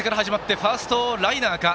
ファーストライナーか。